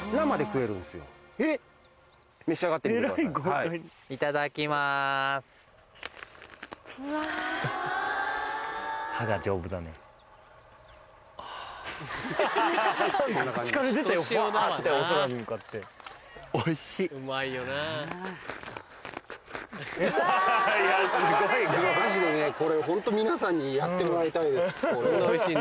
マジでねこれホント皆さんにやってもらいたいです。